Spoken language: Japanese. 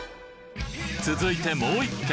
続いてもう１軒。